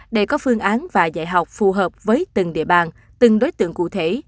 để có phương án và dạy học phù hợp với từng địa bàn từng đối tượng cụ thể